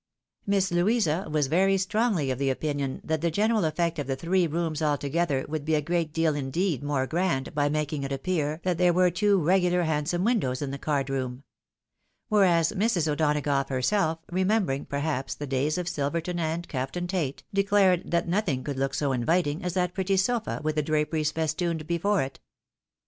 Miss Louisa was very strongly of opinion that the general effect of the three rooms altogether would be a great deal indeed more grand by making it appear that there were two regular handsome windows in the card room. Whereas Mrs. O'Donagough herself, remembering, per haps, the days of Silverton and Captain Tate, declared that 866 THE WIDOW MAEEIED. nothing could look so inviting as that pretty sofa with the dra peries festooned before it.